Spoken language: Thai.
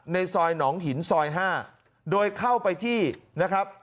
ในซอยหนองหินซอย๕โดยเข้าไปที่นะครับ